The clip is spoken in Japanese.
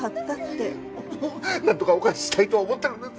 なんとかお返ししたいとは思ってるんです。